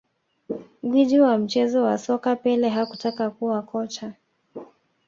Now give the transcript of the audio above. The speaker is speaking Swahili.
Gwiji wa mchezo wa soka Pele hakutaka kuwa kocha